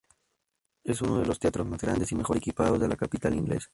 Es uno de los teatros más grandes y mejor equipados de la capital inglesa.